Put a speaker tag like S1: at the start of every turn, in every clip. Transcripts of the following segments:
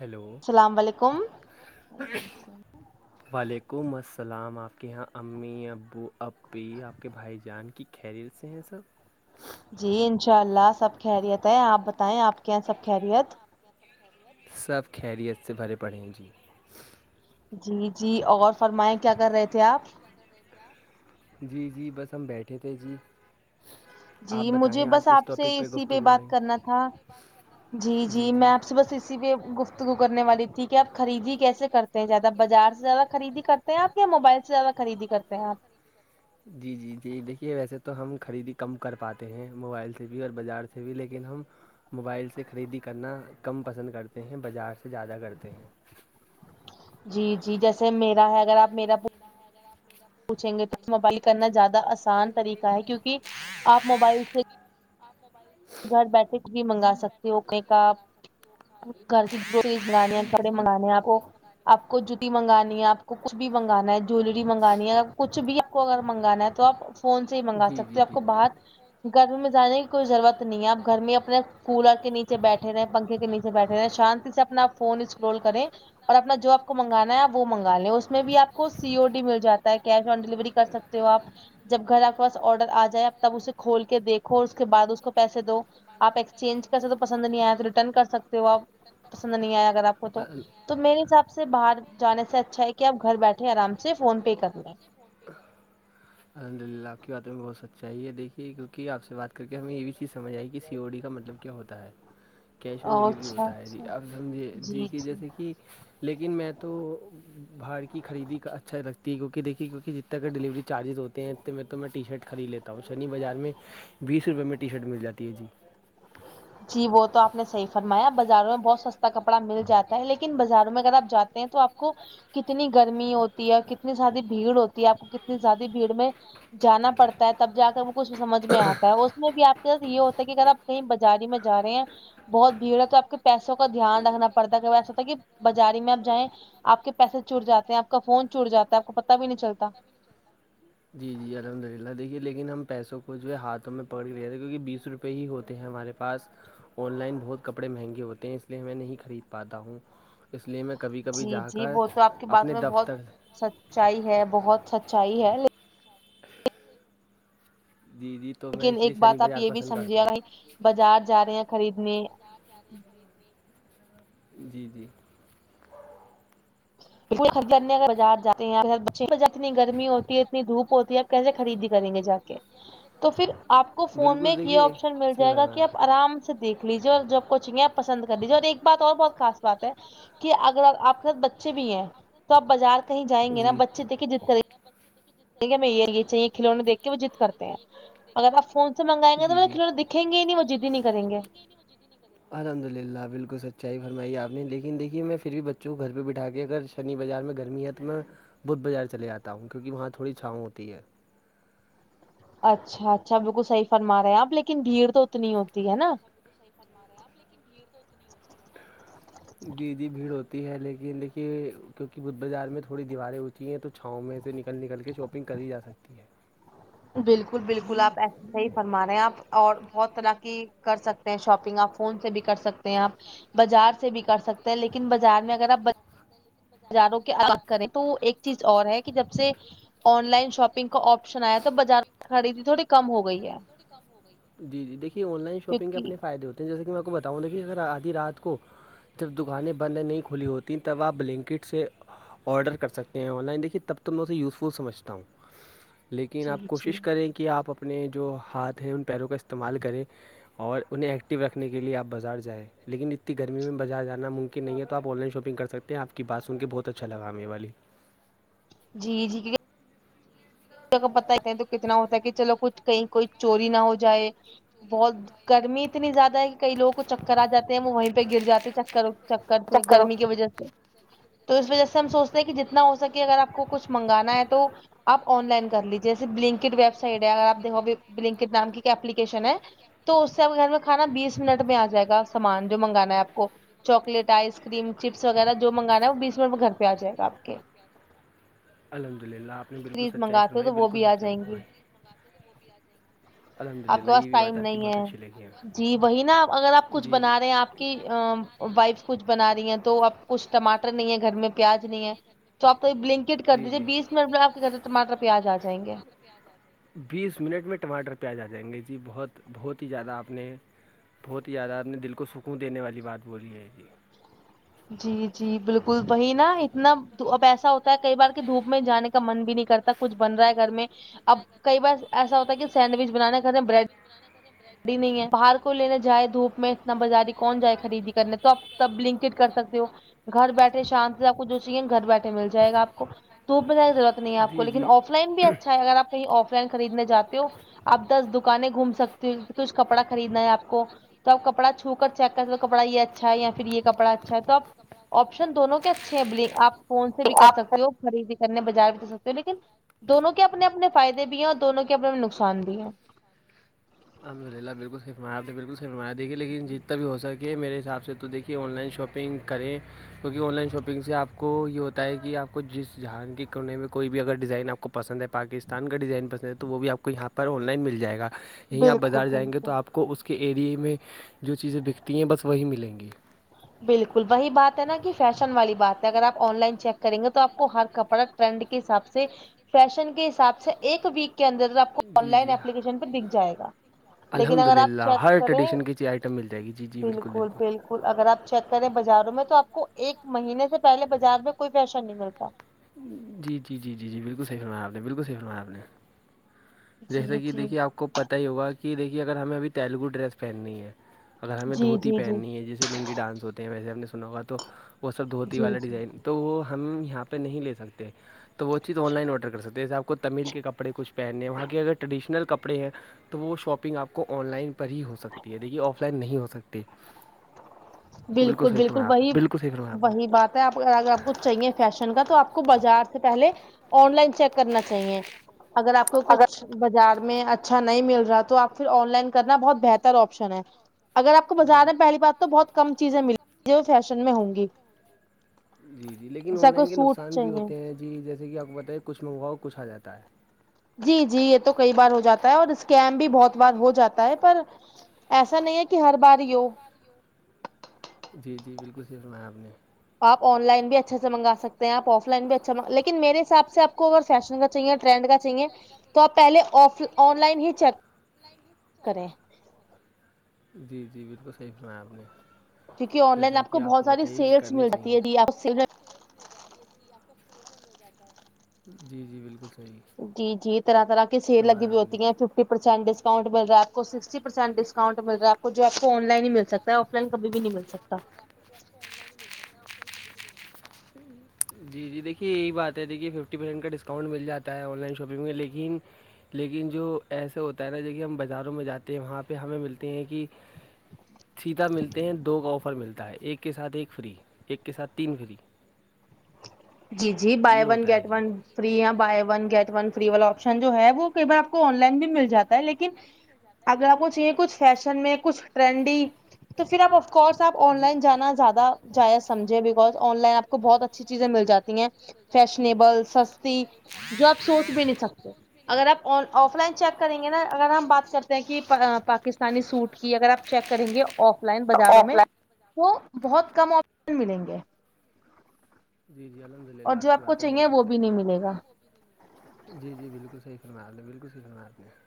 S1: ہیلول
S2: السلام علیکم [inaudible]
S1: وعلیکم السلام آپ کے یہاں امی ابو ابی آپ کے بھائی جان کی خریل سے ہیں سرب [inaudible]
S2: جی انشاء اللہ سب خیریت ہے آپ بتائیں آپ کے یہاں سب خیریت
S1: سب خیریت سے بھرے پڑھیں جی
S2: جی جی اور فرمائیں کیا کر رہے تھے آپ
S1: جی جی بس ہم بیٹھے تھے جی
S2: جی
S1: آپ
S2: مجھے
S1: بتائیں آج
S2: بس
S1: کس
S2: آپ سے
S1: ٹاپک
S2: اسی پہ
S1: گفتگو کریں
S2: بات کرنا تھا جی
S1: گے
S2: جی میںپ سے بس کسی پہ گفتگو کرنے والی تھی کہ آپ خریدی کیسے کرتے ہیں زیادہ بازار سے زیادہ خریدی کر ہیں آ یا موبائل سے زیادہ خریدی کرتے ہیںپ
S1: جی جی جی دیکھیے ویسے تو ہم خریدی کم کر پاتے ہیں موبائل سے بھی اور بازار سے تھ بھی لیکن ہم موبائل سے خریدی کرنا کم پسند کرتے ہیں بازار سے زیادہ کرتے ہیں
S2: جی جی جیسے میرا ہے اگر آپ میرا پوچھیں گے تو موبائل کرنا زیادہ آسان طریقہ ہے کیونکہ آپ موبائل سے گھر بیٹھے بھی منگا سکتے ہو اکنے کا آپ گھر کی گروسریز منگانی ہے کپڑے منگانے ہیں آپ کو آپ کو جوتی منگانی ہے آپ کو کو کچھ بھی منگانا ہے جیلری منگانی ہے اگر کچھ بھی آپ کو اگر منگانا ہے تو آپ فون سے ہی منگا سکتے ہو آپ کو باہر گرمی میں جانے کی کوئی ضرورت نہیں آپ گھر میں اپنے کولر کے نیچے بیٹھے رہے ہیں پنکھے کے نیچے بیٹھے رہ شانتی سے اپنا فون انسٹرول کریں اور اپنا جو آپ کو منگانا ہے آپ وہ منگا لیں اس میں بھی آپ کو سی او ڈی مل جاتا ہے کیش آن ڈیلیوری کر سکتے ہو آپ جب گھر آ کے پاس آرڈر آ جائے تب اسے کھول کے دیکھو اور اس کے بعد اس کو پیسے دو آپ ایکسچینج کر سکتے پسند نہیں آئے تو ریٹرن کر سکتے ہو آپ پسند نہیں آئے اگر آپ تو میرے حساب سے باہر جانے سے اچھا ہے کہ آپ گھر بیٹھے آرام سے فون پے کر لیں
S1: الحمد للہ آپ کی باتیں بتچ چی دیکھیے کیونہ آپ سے بات کر کے ہمیں یہ بھی چیز سمجھ آئی کہ سی او ڈی کا مطلب کیا ہوتا ہے
S2: [inaudible]
S1: کیش آن ڈلیوری
S2: اچھا
S1: ہوتا ہے جی
S2: اچھا
S1: اب سمجھے جی کہ جیسے کہ لیکن میں تو باہار کی خریدی اچھا لگتی ہے کیونک دیکھیے کیکہ جتنے کا ڈلیوری چارجز ہوتے تو میں ٹی شرٹ خرید لیتا ہوں شنی بازار میں بیس روپئے میں ٹی شرٹ مل جاتی ہے جی
S2: جی وہ تو آپ نے صحی فرمایا بازاروں میں بہت سستا کپڑا مل جا ہے لیکن بازاروں میں اگر آپ جاتے تو آپ کو کتنی گرمی ہوتی ہے کتنی سدی بھیڑ ہوتی ہے آپ کو کتنی زیادہ بھیڑ میں جانا پڑتا ہے تب جا کر وہ کچھ سمجھ میں آتا ہے اس میں بھی آپ کےات یہ ہوتا ہے کہ اگر آپ کہیں جاری میں جا رہے ہیں بہت بھیڑ ہے تو آپ کے پیسوں کا دھیان رکھنا پڑتا ہے کہ ایسا تھا کہ بازاری میں آپ جائیں آپ کے پیسے چٹ جاتے ہیں آ کا فون چور جا ہے آپ کو پتا بھی نہیں چلتا
S1: جی جی الحمد للہ دیکھیے لیکن ہم پیسوں کو جو ہے ہاتھوں میں پڑھ کے لےتےے کیونکہ بیس روپے ہی ہوتے ہیں ہمارے پاس آن لائن بہت کپڑے مہنگے ہوتے ہیں اس لیے میں نہیں خرید پاتا ہوں اس لیے میں کبھی کبھی
S2: جی
S1: جا
S2: جی
S1: کر
S2: وہ تو آپ کی باتوں
S1: اپنے
S2: میں بہت
S1: دفتر
S2: سچائی ہے بہت سچائی ہے ل
S1: جی جی تو میں
S2: لیکن
S1: اس لیے
S2: ایک
S1: شنی
S2: بات آپ
S1: بازار
S2: یہ بھی
S1: پسند
S2: سمجھیے
S1: کرتا
S2: گ بھائی بازار جا رہے ہیں خریدنے
S1: جی جی
S2: بازار جاتے ہیں اتنی گرمی ہوتی ہے اتنی دھوپ ہوتی ہے کیسے خریدی کریں گے جا کے تو پھر آپ کو فون میں
S1: بالکل
S2: ایک یہ
S1: دیکھیے
S2: آپشن مل جائے
S1: بات
S2: گا
S1: ہے
S2: کہ آپ آرام سے دیکھ لیجیے اور جب کوچنگے آپ پسند کر دیجیے اور ایک بات اور بہت خاص بات ہے کہ اگر آپ کے ساتھ بچے بھی ہیں تو آپ بازار کہیں جائیں گے نا بچے دیکھے جس ط
S1: پر
S2: ھ میں یہ چاہیے کھلونے دیکھ کے وہ جیت کرتے ہیں اگر آ فون سے منگائیں گے تو مے
S1: کرتے
S2: کلڑ دکھیں گے نہیں وہجدی نہیں کریں گے
S1: الحمد للہ بالکل سچائی فرمائی آپ نے لیکن دیکھیے میں پھر بھی بچوں کو گھر پہ بٹھا کے اگر شنی بازار میں گرمی ہے تو میں بدھ بازار چلےاتا ہوں کیونکہ وہاں تھوڑی چھاؤں ہوتی ہے
S2: اچھا اچھا بالکل صحیح فرما رہے ہیں آپ لیکن بھیڑ تو اتنی ہوتی ہے نا
S1: جیدی بھیڑ ہوتی ہے لیکن دیکھیے کیونکہ بدھ بازار میں تھڑی دیواریں ہوتی ہیں تو چھاؤں میں سے نکل نکل کے شاپنگ کری جا سکتی ہے
S2: بالکل بالکل آپ ایسا صحی فرما رہے ہیں آپ اور بہت طرح کی کر سکتے ہیں شاپنگ آپ فون سے بھی کر سکتے ہیں آپ بازار سے بھی کر سکتے لیکن بازار میں اگر آ ہزاروں کے الگ کریں تو ایک چیز اور ہے کہ جب سے آن لائن شاپنگ کا آپشن آیا تو بازار خریدی تھوڑی کم ہو گئی ہے
S1: جی جی دیکے آن لائن شاپنگ کے
S2: کیونکہ
S1: اپنے فائدے ہوتے ہیں جیسے کہ میں آ کو بتاؤں دا کہ اگر آدھی رات کو جب دکانیں بندیں نہیں کھلی ہوتییں تب آپ بلینکٹ سے آرڈر کر سکتے ہیں آن لائن دیکھیے تب تک میں اسے یوزفل سمجھتا ہوں لیکن
S2: جی
S1: آپ
S2: جی
S1: کوشش کریں کہ آپ اپنے جو ہاتھ ہیں ان پیروں کا استعمال کریں اور انہیں ایکٹیو رکھنے کے لیے آپ بازار جائیں لیکن اتنی گرمی میں بازار جانا مم کہ نہیں ہے آن لائن شاپنگ کرک ہیں آپ کی بات سن کے بہت اچھا لگا ہمیرے والی
S2: جی جی اگر پت ہیتے ہیں تو کتنا ہوتا ہے کہ چلو کچھ کہیں کوئی چوری نہ ہو جائے بہت گرمی اتنی زیادہ ہے کئی لوگوں کو چکر آ جاتے ہیں وہ وہیں پہ گر جاتے ہیں چکر چکر سے گرمی کی وجہ سے تو اس وجہ سے ہم سوچتے ہیں کہ جتنا ہو سکے اگر آپ کو کچھ منگانا ہے تو آپ آن لائن کر لیجی جیسے بلنکڈ ویب سائٹ ہے اگر آپ دھو بنکڈ نام کی ایک اپلیکیشن ہے تو اس سے ا گھر میں کھانا بیس منٹ میں آ جائے گا سامان جو منگانا ہے آپ کو چاکلیٹ آئس کریم چپس وغیرہ جو منگانا ہے وہ بیس منٹ میں گھر پہ آ جائے گا آپ کے
S1: الحد للہپ نےالل
S2: فریز
S1: سچائی
S2: منگاتے ہو
S1: فرمائی
S2: تو وہ
S1: بالکل
S2: بھی آ
S1: سچائی
S2: جائیں گی
S1: فرمائی الحمد
S2: آپ کے
S1: للہ
S2: پاس
S1: یہ بھی
S2: ٹائم
S1: بات آپ کی
S2: نہیں
S1: بہت
S2: ہے
S1: اچھی لگی ہے
S2: جی وہی نا اگر آپ کچھ
S1: جی
S2: بنا رہے ہیں آپ کی ا وائف کچھ بنا رہی ہیں تو اب کچھ ٹماٹر نہیں ہے گھر میں پیاز نہیں ہے تو آپ تو ایک بلنکٹ کر دیجیے بیس منٹ میں آپ کے گھرٹاٹر پیاز آ جائیں گے
S1: بیس منٹ میں ٹماٹر پیازا دیں گے جی بہت بہت ہی زیادہ آپ نے بہت ہی یاد آار نے دل کو سکون دینے والی بات بولی ہے جی
S2: جی جی بالکل وہی نا اتنا اب ایسا ہوتا ہے کئی بار کے دھوپ میں جانے کا من بھی نہیں کرتا کچھ بن رہا ہے گھر میں اب کئی بار ایسا ہوتا کہ سینڈوچ بنانے کے بریڈ ی نہیں ہے باہر کو لینے جائے دھوپ میں اتنا بازاری کون جائے خریدی کرنے تو آپ تب لنکڈ کر سکتے ہو گھر بیٹھے شانت سے آپ کو جو چیے نا گھر بیٹھے مل جائے گا آپ کو دوپ میںرورت نہیں آپ کو
S1: جی
S2: لیکن آف لائن بھی اچھا ہے اگر آپ کہیں آف لائن خریدنے جاتے ہو آپ دس دکانیں گھوم سکتی ہو کچھ کپڑا خریدنا ہے آپ کو تب کپڑا چھو کر چیک کرتے تو کپا یہ اچھا ہے یا پھر یہ کپا اچھا ہے توب آپشن دونوں کے اچھے ہیں ب آپ فون سے بھی کر سکتے ہو خریدی کرنے بجائے بھی کر سکتے ہو لیکن دونوں کے اپنے اپنے فائدے بھی ہیں اور دونوں کے اپنے اپنے نقصان بھی ہیں
S1: الحمد للہ بالکل شفمیت تھ بالکل سفمات دیکھی لیکن جتنا بھی ہوک مےس سے تو دیکھے کہ آن لائن شاپنگ کریں کیہ آن لائن شاپنگ سے آپ کو یہ ہوتا ہے کہ آپ کو جس جہان کے کرنے میں کوئی بھی اگر ڈیزائن آپ کو کو پسند ہے پاکستان کا ڈیزائن پسند ہے تو وہ بھی آپ کو یہاں پر آن لائن مل جائے گا یہیں آپ
S2: بالکل
S1: بازار جائیں گے تو
S2: بالکل
S1: آپ کو اس کے ایریے میں جو چیزیں بکتی ہیں بس وہی ملیں گی
S2: بالکل وہی بات ہے نا کہ فیشن والی بات ہے اگر آپ آن لائن چیک کریں گے تو آپ کو ہر کپڑا ٹرینڈ کے حساب سے فیشن کے حساب سے ایک ویک اندر آپ کو آن لائن اپپلیکیشن پہ دکھ جائےا لیکن اگر آپ
S1: الحمدللہ
S2: چیک
S1: ہر
S2: کریں
S1: ٹریڈیشن کی چیز آئٹم مل جائے گی جی جی
S2: بالکل بالکل اگر آپ چیک کریں بازاروں میں تو آپ کو ایک مہینے سے پہلے بازار میں کوئی پیشہ نہیں ملتا
S1: جی جی جی جی جی بالکل صحی فلمایا آپ نے بالکل صحی فلمایا آپ نے جیسے
S2: جی
S1: کہ
S2: جی
S1: دیکھیے آپ کو پتہ ہی ہوگا کہ دیکھیے اگر ہمیں ابھی تیلگو ڈریس پہننی ہے اگر ہمیں
S2: جی
S1: دھوتی
S2: جی جی
S1: پہننی ہے جیسے لنگی ڈانس ہوتے ہیں ویسے ہم نے سنا ہوگا تو وہ سب دھوتی
S2: جی
S1: والا
S2: جی
S1: ڈیزائن تو وہ ہم یہاں پہ نہیں لے سکتے تو وہ چیز آن لائن آڈر کر سکتے ہیں جیسے آپ تمل کے کپڑے کچھ پہننے ہیں وہاں کے اگر ٹریڈیشنل کپڑے ہیں تو وہ شاپنگ آپ کو آن لائن پر ہی ہو سکتی ہے دیکھیے آف لائن نہیں ہو سکتی
S2: بالکل
S1: صحیح
S2: بالکل
S1: فرمایا آپ نے
S2: وہی
S1: بالکل صحیح فرمایا آپ نے
S2: وہی بات آپ اگر آپ کچھ چاہیے فیشن کا تو آپ کو بازار سے پہلے آن لائن چیک کرنا چاہیے اگر آپ کو کچھ بازار میں اچھا نہیں مل رہا تو آپ پھر آن لائن کرنا بہت بہتر آپشن ہے اگر آپ کو
S1: بہت
S2: بازار میں پہلی بات تو بہت کم چیزیں مل فیشن میں ہوں گی
S1: جی جی لیکن
S2: جیسا
S1: آن
S2: کو
S1: لائن کے
S2: سوٹ
S1: نقصان بھی
S2: چاہیے
S1: ہوتے ہیں جی جیسے کہ آپ کو بتائے کچھ منگواؤ کچھ آ جاتا ہے
S2: جی جی یہ تو کئی بار ہو جاتا ہے اور اسکیم بھی بہت بار ہو جاتا ہے پر ایسا نہیں ہے کہ ہر بار یو
S1: جی جی بالکل صح سنایا آپ نے
S2: آپ آن لائن بھی اچھا سےنگا سکتے ہیں آف لائن بھی اچھاگ لیکن میرے حساب سے آ کو اگر فیشن کا چاہیے ٹرینڈ کا چاہیے تو آپ پہلے آ آن لائن ہی چیک کریں
S1: جی جی بالکل صحیح فنایا آپ نے
S2: کیونکہ آن
S1: جیسا
S2: لائن
S1: کہ آپ
S2: بہت
S1: کو
S2: ساری
S1: بتائیے کہ
S2: سیلس
S1: کرنی
S2: مل جاتی
S1: چاہیے
S2: ہے جی آپ سیل
S1: جی جی بالکل صحیح
S2: جی جی طرح طرح کی سیل لگی
S1: فرمایا
S2: ہوئی
S1: آپ نے
S2: ہوتی ہیں ففٹی پرسینٹ ڈسکاؤنٹ مل رہا ہے آ کو سکسٹی پرسینٹ ڈسکاؤٹ م رہا ہےپ کو جو آ کو آن لائن ہی ملکتا ہے آف لائن کبھی بھی نہیں مل سکتا
S1: ہ ہی جی جی دیکھیے یہی بات ہے دیکھیے ففٹی پرسینٹ کا ڈسکاؤنٹ مل جاتا ہے آن لائن شاپنگ میں لیکن لیکن جو ایسا ہوتا ہے نا ج کہ ہم بازاروں میں جاتے ہیں وہاں پہ ہمیں ملتے ہیں کہ سیدھا ملتے ہیں دو کا آفر ملتا ہے ایک کے ساتھ ایک فری ایک کے ساتھ تین فری
S2: جی جی بائی
S1: یہ
S2: ون
S1: ہوتا ہے
S2: گیٹ
S1: جی
S2: one free buy one get one free والا آپشن جو ہے وہ کئی بار آ کو آن لائن بھی مل جاتا ہے لیکن اگر آپ کو چاہیے کچھ فیشن میں کچھ ٹرینڈی تو پھر آپ کورس آن لائن جانا زیادہ جائزمجھے بکوز آن لائن آپ کو بہت اچھی چیزیں مل جاتی فیشنیبل سستی جو آپ سوچ بھی نہیں سکتے اگر آپ آ آف لائن چیک کریں گے نا اگر ہم بات کرتے ہیں کہ پاکستانی سوٹ کہ اگر آپ چیک کریں گے آف لائن بازاروں میں تو بہت کم آپشن ملیں گے
S1: جی جی الحمد
S2: اور
S1: للہ
S2: جو
S1: آپ کی
S2: کو
S1: باتیں ہو
S2: چاہیے وہ
S1: سکتا
S2: بھی
S1: ہے
S2: نہیں ملے گا
S1: ہے جی جی بالکل صحی فمار ل بالکل صحی فرمار نے [unintelligible]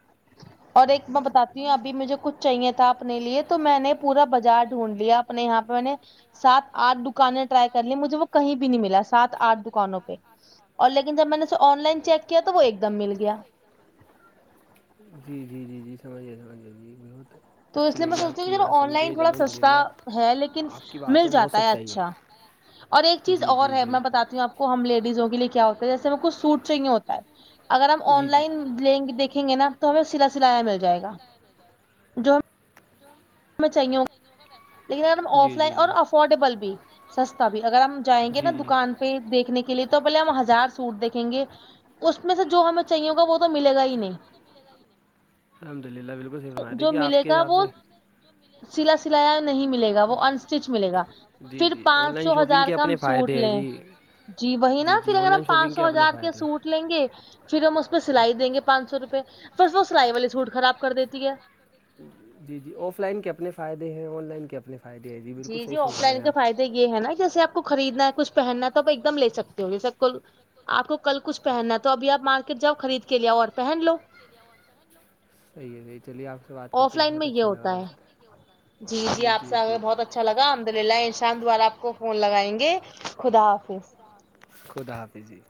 S2: اور ایک میں بتاتی ہوں ابھی مجھے کچھ چاہیے تھا اپنے لیے تو میں نے پورا بازار ڈھونڈ لیا اپنے یہاں پہ میں نے سات آٹ دکانیں ٹرائی کر ل مجھے وہ کہیں بھی نہیں ملا سات آھ دکانوں پہ اور لیکن جب میں نے اس آن لائن چیک کیا تو وہ ایک دم مل گیا
S1: جی جی جی جی سمجھیے سمجھیے جی بہت
S2: تو اس
S1: اچھی
S2: لیے میں
S1: لگی
S2: سوچتی
S1: آپ کی
S2: ہوں
S1: بات
S2: آن
S1: سن کے
S2: لائن تھوڑا
S1: الحمد
S2: سستا
S1: للہ
S2: ہے لیکن
S1: آپ کی
S2: مل
S1: باتوں میں بہت
S2: جاتا ہے
S1: سچائی
S2: اچھا اور ایک چیز
S1: جی
S2: اور
S1: جی
S2: ہے میں بتاتی ہوں آپ کو ہم لیڈیزوں کے لیے کیا ہوتا جیسے ہمیں کوچھ سوٹ چاہیے ہوتا ہے اگر ہم
S1: ہوتا
S2: آن
S1: ہے جی
S2: لائن لیں گے دیکھ رکھیں گے نا تو ہمیں سلا سلایا مل جائے گا جو [unintelligible] ہمیں چاہیے ہ لیکن اگر ہم
S1: گا جی
S2: آف لائن
S1: جی جی
S2: اور افورڈیبل بھی سستا بھی اگر ہم جائیں گے نا
S1: جی جی
S2: دکان پہ دیکھنے کے لیے تو پہلے ہم ہزار سوٹ دیکھیں گے اس میں سے جو ہمیں چاہیے ہوگا وہ تو ملے گا ہی نہیں
S1: الحمد للہ بالکلحی فرما تےھی
S2: جو
S1: کیا آپ
S2: ملے
S1: کے
S2: گا
S1: حساب
S2: وہ
S1: سے
S2: سلا سلایا نہیں ملے گا وہ انسٹیچ ملے گا
S1: جی
S2: پھر
S1: جی آن
S2: پانچ سو
S1: لائن شاپنگ
S2: ہزار
S1: کے
S2: کا ہم
S1: اپنے
S2: سوٹ
S1: فائدے ہیں
S2: لیں
S1: جی
S2: جی وہی نا
S1: جی
S2: پھر
S1: آن
S2: اگر ہم
S1: لائن
S2: پانچ
S1: شاپنگ
S2: سو
S1: اپنے
S2: ہزار کے
S1: فائدے ہیں
S2: سوٹ لیں گے پھر ہم اس پہ سلائی دیں گے پانچ سو روپے پھر وہ سلائی والے سوٹ خراب کر دیتی ہے
S1: جی جی آف لائن کے اپنے فائدے ہیں آن لائن کے اپنے فائدے ہیں بالکل
S2: جی
S1: صحیح
S2: جی آف
S1: فرما رہے
S2: لائن
S1: ہیں
S2: کا
S1: آپ
S2: فائدے یہ ہے نا جیسے آپ [unintelligible] کو خریدنا ہے کچھ پہننا ہے تو آپ ایک دم لے سکتے ہو گے سب کو آپ کو کل کچھ پہننا ہے تو ابھی آپ مارکیٹ جاؤ خرید کے لیاؤ اور پہن لو
S1: صحیح ہےحی چلیے آپ سے بات کر
S2: آف
S1: کے
S2: لائن
S1: بہت
S2: میں یہ
S1: اچھا
S2: ہوتا ہے جی جی آپ سے آ بہت اچھا لگ الحمد للہ ان شاء دوبارہ آپ کو فون لگائیں گے خدا حافظ
S1: خدا حافظ جی